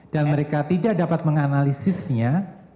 dan mereka tidak dapat menganalisisnya